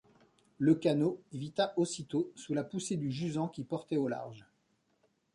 Le canot évita aussitôt sous la poussée du jusant qui portait au large.